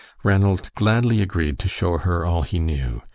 Ranald gladly agreed to show her all he knew.